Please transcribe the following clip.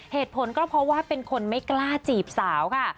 เหตุผลก็เพราะว่าเป็นคนไม่กล้าจีบสาวค่ะ